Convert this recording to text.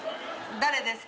誰ですか？